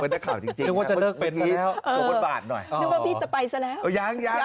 เพื่อนักข่าวจริงภ่าพี่จะไปซะแล้ว